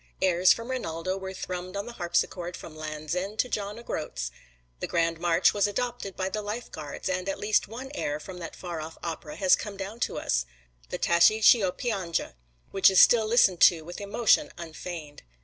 Airs from "Rinaldo" were thrummed on the harpsichord from Land's End to John O'Groat's. The grand march was adopted by the Life Guards, and at least one air from that far off opera has come down to us the "Tascie Ch'io Pianga," which is still listened to with emotion unfeigned.